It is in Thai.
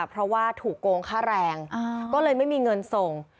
เพราะว่าถูกโกงค่าแรงก็เลยไม่มีเงินส่ง